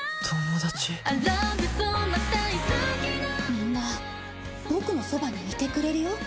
みんなボクのそばにいてくれるよ。